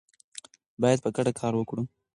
باید په ګډه کار وکړو.